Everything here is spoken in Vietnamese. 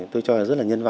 tôi cho là rất là nhân văn